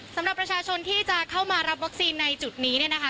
สำหรับประชาชนที่จะเข้ามารับวัคซีนในจุดนี้เนี่ยนะคะ